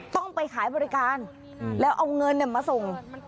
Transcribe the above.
ต้องไปขายบริการแล้วเอาเงินมาส่ง